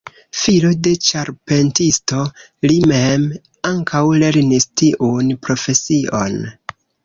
Filo de ĉarpentisto, li mem ankaŭ lernis tiun profesion.